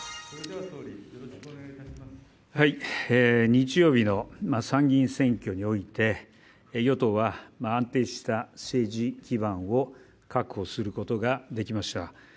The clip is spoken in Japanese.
日曜日の参議院選挙において与党は安定した政治基盤を確保することができました。